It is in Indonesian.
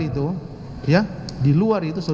itu ya di luar itu